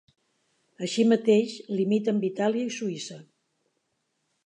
Així mateix, limita amb Itàlia i Suïssa.